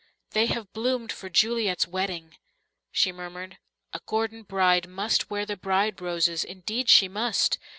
"They have bloomed for Juliet's wedding," she murmured. "A Gordon bride must wear the bride roses, indeed she must.